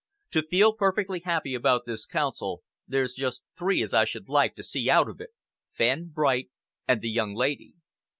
To feel perfectly happy about this Council, there's just three as I should like to see out of it Fenn, Bright and the young lady."